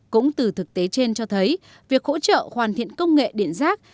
cũng từ thực tế trên cho thấy việc hỗ trợ hoàn thiện công nghệ điện rác